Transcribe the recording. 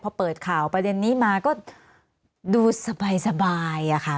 พอเปิดข่าวประเด็นนี้มาก็ดูสบายอะค่ะ